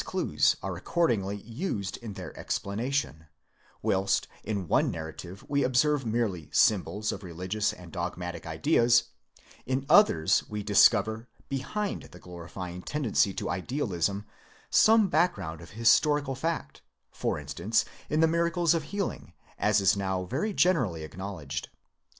clues are accordingly used in their explanation; whilst in one narrative we observe merely symbols of religious and dogmatic ideas, in others we discover, behind the glorifying tendency to idealism, some background of historical fact, for instance, in the miracles of healing, as is now very generally acknow ledged.